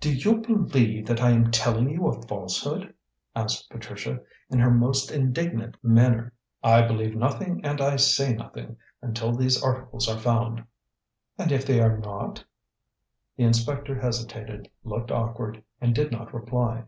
"Do you believe that I am telling you a falsehood?" asked Patricia in her most indignant manner. "I believe nothing and I say nothing until these articles are found." "And if they are not?" The inspector hesitated, looked awkward, and did not reply.